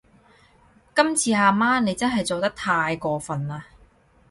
今次阿媽你真係做得太過份喇